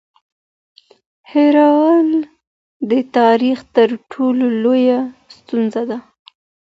هېرول د تاریخ تر ټولو لویه ستونزه ده.